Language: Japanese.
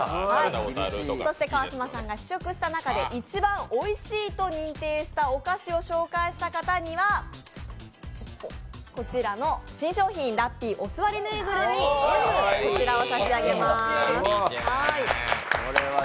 そして川島さんが試食した中で一番おいしいと認定したお菓子を紹介した方には、こちらの新商品、ラッピーお座りぬいぐるみＭをプレゼントします。